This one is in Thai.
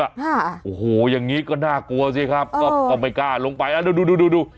โอ้โหอย่างนี้ก็น่ากลัวสิครับก็ไม่กล้าลงไปดู